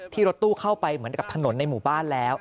รถตู้เข้าไปเหมือนกับถนนในหมู่บ้านแล้ว